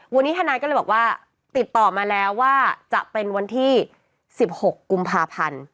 วันนี้ทนายก็เลยบอกว่าติดต่อมาแล้วว่าจะเป็นวันที่๑๖กุมภาพันธ์